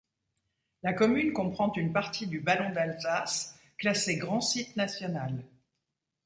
La commune comprend une partie du ballon d'Alsace, classé grand site national.